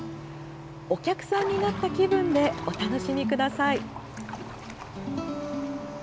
お客さんになった気分でお楽しみください。